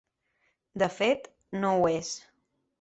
De fet, no ho és.